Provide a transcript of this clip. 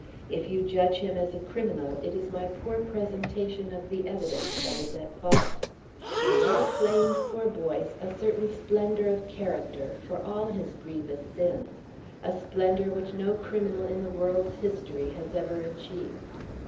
If you judge him as a criminal, it is my poor presentation of the evidence that is at fault. I claim for Boyce a certain splendour of character, for all his grievous sins, a splendour which no criminal in the world's history has ever achieved.